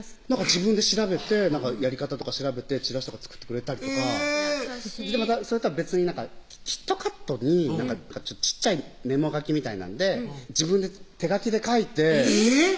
自分で調べてやり方とか調べてチラシとか作ってくれたりとかそれとは別に「キットカット」に小っちゃいメモ書きみたいなんで自分で手書きで書いてえっ？